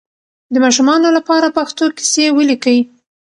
د ماشومانو لپاره پښتو کیسې ولیکئ.